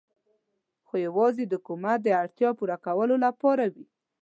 خو یوازې د حکومت د اړتیاوو د پوره کولو لپاره وې.